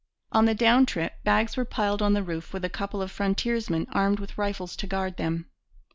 On the down trip bags were piled on the roof with a couple of frontiersmen armed with rifles to guard them.